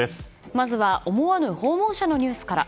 まずは思わぬ訪問者のニュースから。